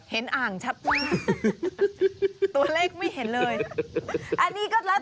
เห็นอ่างชัดมาก